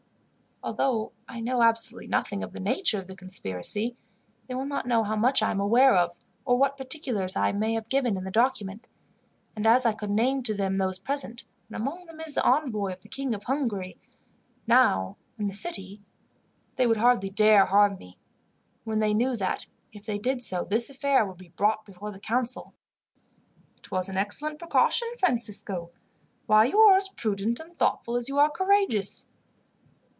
"Although I know absolutely nothing of the nature of the conspiracy, they will not know how much I am aware of, or what particulars I may have given in the document; and as I could name to them those present, and among them is the envoy of the King of Hungary, now in the city, they would hardly dare harm me, when they knew that if they did so this affair would be brought before the council." "It was an excellent precaution, Francisco. Why, you are as prudent and thoughtful as you are courageous!"